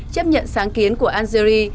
chấp nhận sáng kiến của algeria